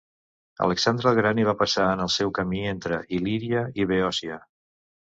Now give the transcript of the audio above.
Alexandre el Gran hi va passar en el seu camí entre Il·líria i Beòcia.